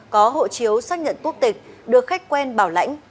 có hộ chiếu xác nhận quốc tịch được khách quen bảo lãnh